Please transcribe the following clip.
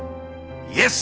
イエス！